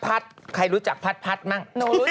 ใครรู้จักพัดมั่ง